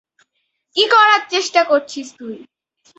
কী করার চেষ্টা করছিস তুই?